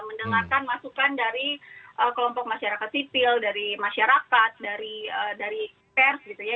mendengarkan masukan dari kelompok masyarakat sipil dari masyarakat dari pers gitu ya